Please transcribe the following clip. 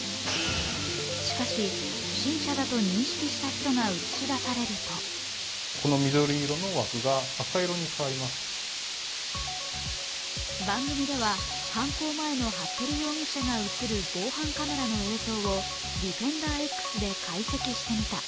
しかし、不審者だと認識した人が映し出されると番組では犯行前の服部容疑者が映る防犯カメラの映像をＤＥＦＥＮＤＥＲ−Ｘで解析してみた。